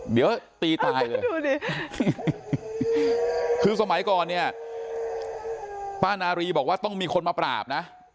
เดี๋ยวตีตายเลยดูดิคือสมัยก่อนเนี่ยป้านารีบอกว่าต้องมีคนมาปราบนะ